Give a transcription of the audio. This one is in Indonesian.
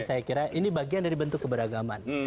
saya kira ini bagian dari bentuk keberagaman